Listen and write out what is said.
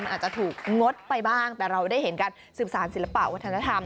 อาจจะถูกงดไปบ้างแต่เราได้เห็นการสืบสารศิลปะวัฒนธรรม